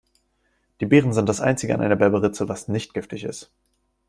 Die Beeren sind das einzige an einer Berberitze, was nicht giftig ist.